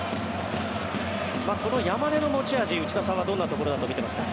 この山根の持ち味内田さんはどんなところだと見ていますか。